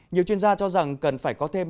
nhiều chuyên gia cho rằng cần phải có thêm